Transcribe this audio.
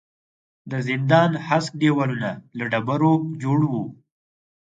د زندان هسک دېوالونه له ډبرو جوړ وو.